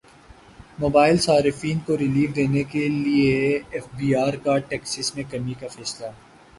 mobile صارفین کو relief دینے کیلئے ایف بی ار کا ٹیکسز میں کمی کا فیصلہ